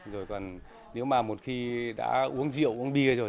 rồi còn nếu mà một khi đã uống rượu uống bia rồi